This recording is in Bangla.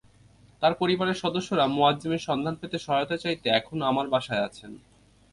তার পরিবারের সদস্যরা মোয়াজ্জেমের সন্ধান পেতে সহায়তা চাইতে এখনো আমার বাসায় আছেন।